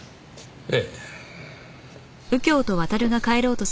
ええ。